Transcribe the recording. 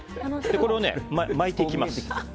これを巻いていきます。